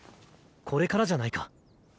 これからじゃないか。